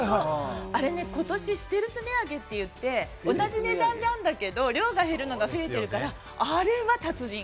あれ、今年、ステルス値上げって言って、同じ値段なんだけど量が減るのが増えてるから、あれは達人。